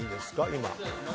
今。